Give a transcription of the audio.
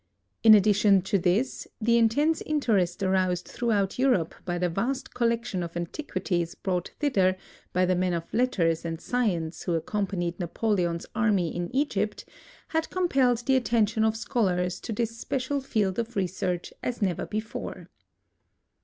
In addition to this, the intense interest aroused throughout Europe by the vast collection of antiquities brought thither by the men of letters and science who accompanied Napoleon's army in Egypt, had compelled the attention of scholars to this special field of research as never before.